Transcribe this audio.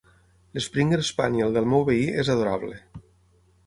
L'springer spaniel del meu veí és adorable